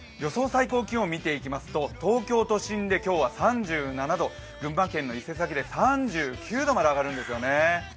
最高気温を見ていきますと東京都心で今日は３７度群馬県の伊勢崎で３９度まで上がるんですね。